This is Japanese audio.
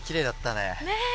ねえ！